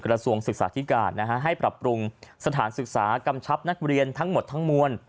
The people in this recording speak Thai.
กระทรวงศึกษาธิการให้ปรับปรุงสถานศึกษากำชับนักเรียนทั้งหมดทั้งมวล